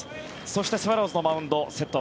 そしてスワローズのマウンドセット